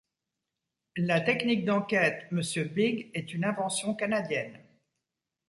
La technique d'enquête Monsieur Big est une invention canadienne.